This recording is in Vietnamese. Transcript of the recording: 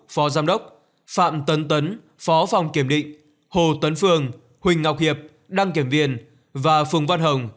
phó giám đốc phạm tấn phó phòng kiểm định hồ tấn phương huỳnh ngọc hiệp đăng kiểm viên và phường văn hồng